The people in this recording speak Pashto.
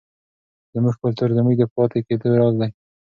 زموږ کلتور زموږ د پاتې کېدو راز دی.